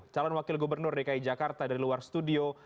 calon wakil gubernur dki jakarta dari luar studio